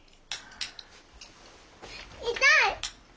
痛い！